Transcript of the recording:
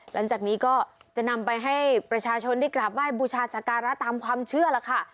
หลังจากนี้ก็จะนำไปให้ประชาชนได้กราบไห้บูชาสการะตามความเชื่อล่ะค่ะ